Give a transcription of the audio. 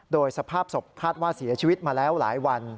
โดยสภาพศพคาดว่าเสียชีวิตมาแล้วหลายวัน